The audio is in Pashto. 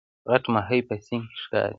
غټ ماهی په سیند کې ښکاري